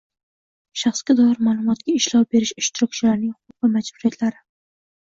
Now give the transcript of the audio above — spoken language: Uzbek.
Shaxsga doir ma’lumotlarga ishlov berish ishtirokchilarining huquq va majburiyatlari